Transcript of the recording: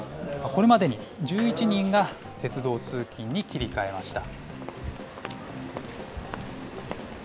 これまでに１１人が鉄道通勤に切り替えました。